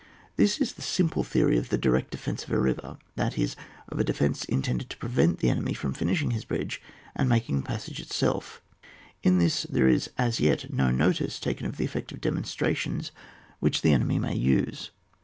This is the simple theory of the direct defence of a river, that is, of a defence intended to prevent the enemy from finishing his bridge and from making the passage itself; in this there is as yet no notice taken of the effect of demonstrations which the enemy may use.